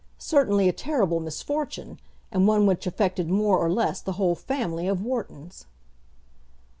Certainly a terrible misfortune, and one which affected more or less the whole family of Whartons!